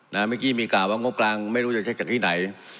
เมื่อกี้มีกล่าวว่างบกลางไม่รู้จะเช็คจากที่ไหน